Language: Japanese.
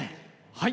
はい。